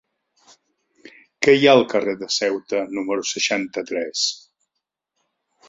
Què hi ha al carrer de Ceuta número seixanta-tres?